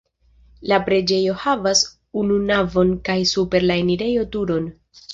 La preĝejo havas unu navon kaj super la enirejo turon.